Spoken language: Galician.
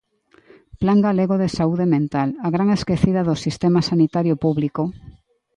Plan Galego de Saúde Mental: a gran esquecida do sistema sanitario público.